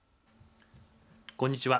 こんにちは。